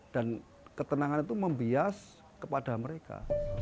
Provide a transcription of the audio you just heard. dan ketenangan itu membias kepada mereka